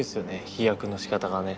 飛躍のしかたがね。